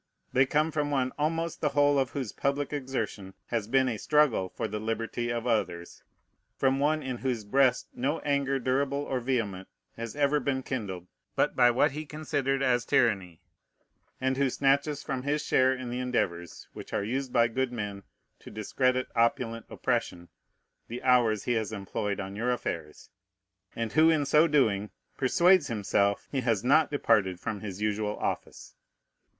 They come from one almost the whole of whose public exertion has been a struggle for the liberty of others, from one in whose breast no anger durable or vehement has ever been kindled but by what he considered as tyranny, and who snatches from his share in the endeavors which are used by good men to discredit opulent oppression the hours he has employed on your affairs, and who in so doing persuades himself he has not departed from his usual office.